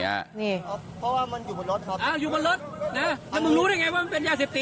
ตำรวจต้องไล่ตามกว่าจะรองรับเหตุได้